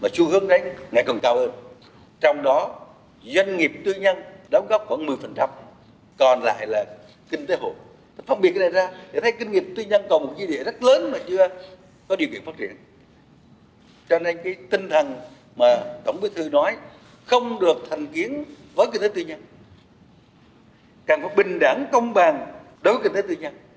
cho nên cái tinh thần mà tổng bí thư nói không được thành kiến với kinh tế tư nhân càng có bình đẳng công bằng đối với kinh tế tư nhân